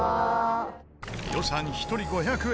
予算１人５００円。